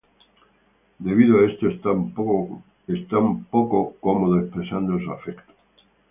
Debido a esto, están poco cómodo expresando su afecto.